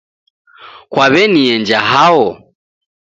Kwaw'enienja hao